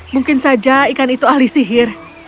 mungkin saja ikan itu ahli sihir